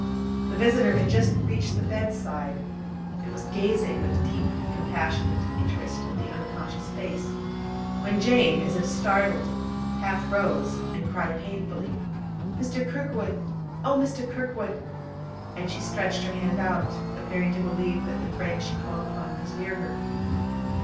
The visitor had just reached the bedside, and was gazing with deep, compassionate interest at the unconscious face, when Jane, as if startled, half rose and cried painfully, 'Mr. Kirkwood! oh, Mr. Kirkwood!' and she stretched her hand out, appearing to believe that the friend she called upon was near her.